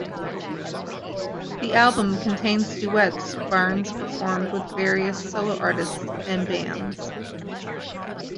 The album contains duets Barnes performed with various solo artists and bands.